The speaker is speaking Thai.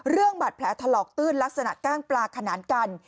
เรื่องบัตรแผลถลอกตื้นลักษณะกล้างปลาขนานกัน